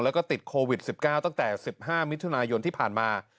แล้วก็ติดโควิด๑๙ตั้งแต่๑๕มิถุนายนที่ผ่านมา